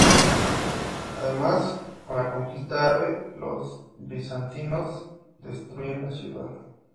Además, con la conquista árabe, los bizantinos destruyen la ciudad.